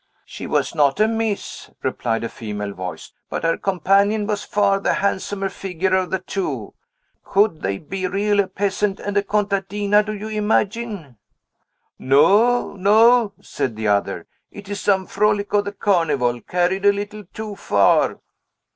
"She was not amiss," replied a female voice; "but her companion was far the handsomer figure of the two. Could they be really a peasant and a contadina, do you imagine?" "No, no," said the other. "It is some frolic of the Carnival, carried a little too far."